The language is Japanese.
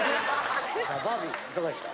さあバービーいかがでした？